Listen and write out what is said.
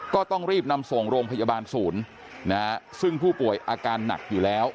ก็ต้องรีบนำส่งโรงพยาบาลศูนย์นะฮะซึ่งผู้ป่วยอาการหนักอยู่แล้ว